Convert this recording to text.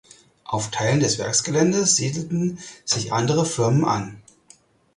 Auf Teilen des Werksgeländes siedelten sich andere Firmen an.